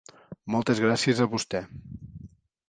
Moltes gràcies a vostè.